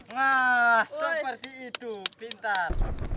wah seperti itu pintar